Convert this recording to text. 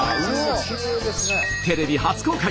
テレビ初公開